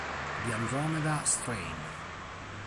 The Andromeda Strain